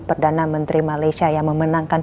perdana menteri malaysia yang memenangkan